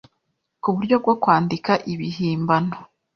ku buryo bwo kwandika ibihimbano.”